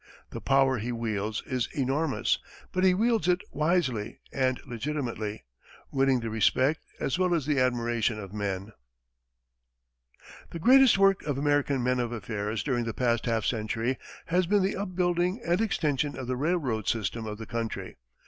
The power he wields is enormous, but he wields it wisely and legitimately, winning the respect, as well as the admiration of men. The greatest work of American men of affairs during the past half century has been the upbuilding and extension of the railroad system of the country.